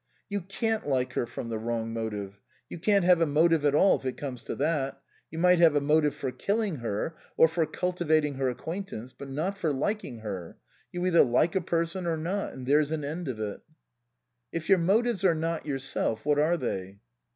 " You can't like her from the wrong motive. You can't have a motive at all, if it comes to that. You might have a motive for killing her, or for cultivating her acquaintance, but not for liking her. You either like a person or not, and there's an end of it." " If your motives are not yourself, what are they?"